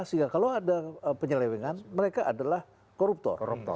sehingga kalau ada penyelewengan mereka adalah koruptor